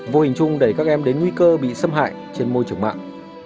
vô hình chung đẩy các em đến nguy cơ bị xâm hại trên môi trường mạng